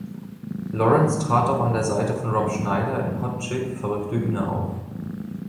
Lawrence trat auch an der Seite von Rob Schneider in „Hot Chick – Verrückte Hühner“ auf.